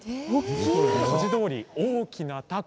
文字どおり、大きなたこ。